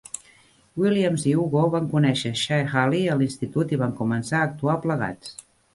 Williams i Hugo van conèixer Shae Haley a l'institut i van començar a actuar plegats.